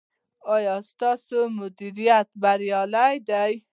ایا ستاسو مدیریت بریالی دی؟